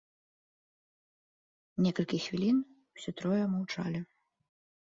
Некалькі хвілін усе трое маўчалі.